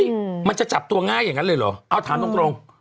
อืมมันจะจับตัวง่ายอย่างนั้นเลยเหรอเอาถามตรงตรง